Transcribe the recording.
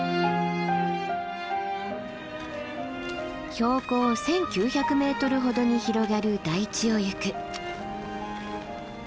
標高１，９００ｍほどに広がる台地を行く。